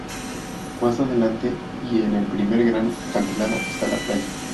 Más adelante, y en el primer gran acantilado, está la playa.